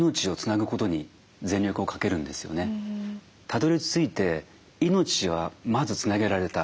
たどりついて命はまずつなげられた。